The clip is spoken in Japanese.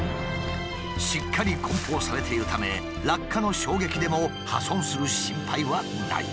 しっかり梱包されているため落下の衝撃でも破損する心配はない。